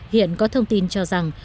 hiện có thông tin cho rằng